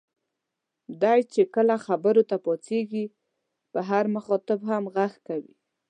دی چې کله خبرو ته پاڅېږي په هر مخاطب هم غږ کوي.